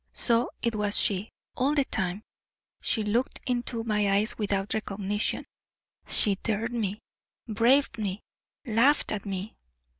So it was she, all the time; she looked into my eyes without recognition; she dared me, braved me, laughed at me.